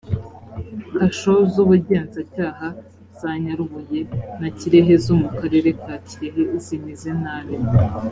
kasho z’ubugenzacyaha za nyarubuye na kirehe zo mu karere ka kirehe zimeze nabi